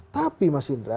tapi mas indra